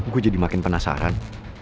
gue jadi makin penasaran